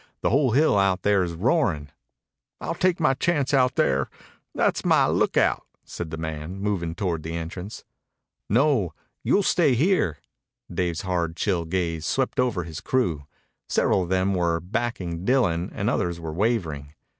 The whole hill out there's roaring." "I'll take my chance out there. That's my lookout," said the man, moving toward the entrance. "No. You'll stay here." Dave's hard, chill gaze swept over his crew. Several of them were backing Dillon and others were wavering.